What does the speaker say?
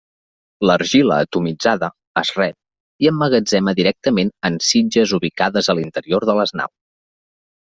L'argila atomitzada es rep i emmagatzema directament en sitges ubicades a l'interior de les naus.